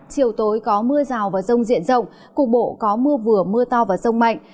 chiều tối có mưa rào và rông diện rộng cục bộ có mưa vừa mưa to và rông mạnh